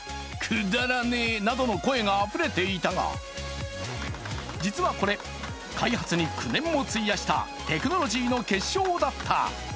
くだらねぇなどの声があふれていたが、実はこれ、開発に９年も費やしたテクノロジーの結晶だった。